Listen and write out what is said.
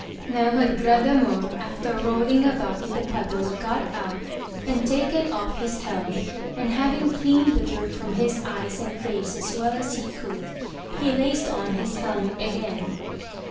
Now had Gradamor, after rolling about in the puddle, got out, and taken off his helm, and having cleaned the dirt from his eyes and face as well as he could, he laced on his helmet again.